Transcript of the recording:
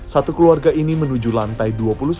satu keluarga ini menuju lantai dua puluh satu